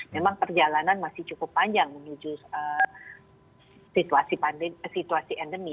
memang perjalanan masih cukup panjang menuju situasi endemi